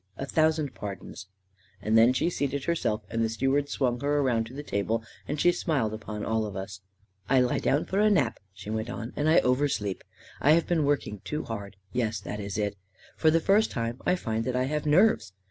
" A thousand pardons I " And then she seated herself, and the steward swung her around to the table, and she smiled upon all of us. 11 1 lie down for a nap," she went on, " and I over sleep I I have been working too hard — yes, that is it. For the first time I find that I have nerves.